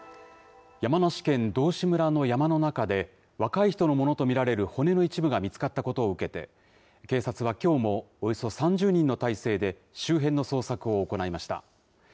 山梨県道志村の山の中で、若い人のものと見られる骨の一部が見つかったことを受けて、警察はきょうもおよそ３０人の態勢で、周辺の捜索を行いました。